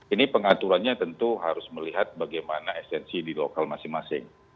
ini pengaturannya tentu harus melihat bagaimana esensi di lokal masing masing